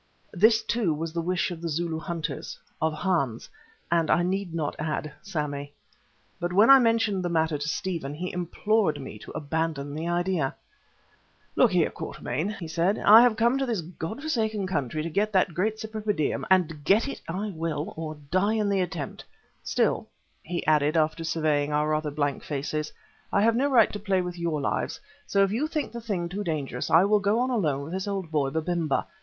This, too, was the wish of the Zulu hunters, of Hans, and I need not add of Sammy. But when I mentioned the matter to Stephen, he implored me to abandon the idea. "Look here, Quatermain," he said, "I have come to this God forsaken country to get that great Cypripedium, and get it I will or die in the attempt. Still," he added after surveying our rather blank faces, "I have no right to play with your lives, so if you think the thing too dangerous I will go on alone with this old boy, Babemba.